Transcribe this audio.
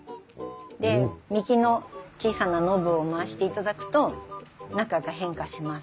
で右の小さなノブを回していただくと中が変化します。